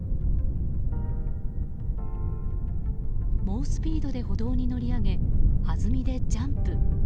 猛スピードで歩道に乗り上げはずみでジャンプ。